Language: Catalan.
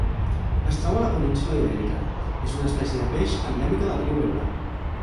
Es troba a la península Ibèrica: és una espècie de peix endèmica del riu Ebre.